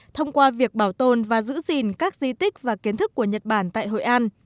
thông qua việc bảo tồn và giữ gìn các di tích và kiến thức của nhật bản tại hội an